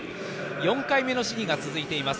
４回目の試技が続いています。